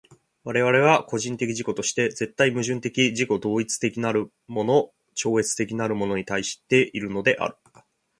我々は個人的自己として絶対矛盾的自己同一的なるもの超越的なるものに対しているのである。